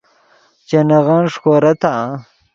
چے نغن ݰیکورتآ؟